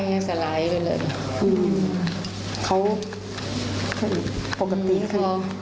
เขาปกติค่ะ